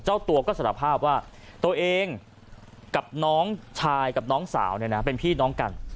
เจ้าตัวก็สารภาพว่าตัวเองกับน้องชายกับน้องสาวเนี่ยนะเป็นพี่น้องกัน